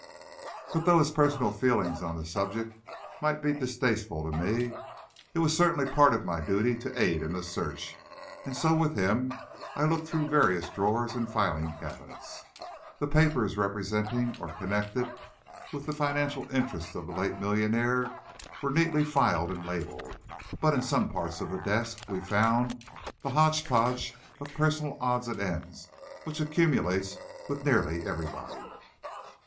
But though his personal feelings on the subject might be distasteful to me, it was certainly part of my duty to aid in the search, and so with him I looked through the various drawers and filing cabinets. The papers representing or connected with the financial interests of the late millionaire were neatly filed and labelled; but in some parts of the desk we found the hodge podge of personal odds and ends which accumulates with nearly everybody.